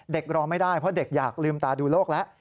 รอไม่ได้เพราะเด็กอยากลืมตาดูโลกแล้ว